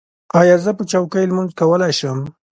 ایا زه په چوکۍ لمونځ کولی شم؟